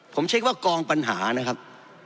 ผมเช็คว่ากองปัญหานะครับ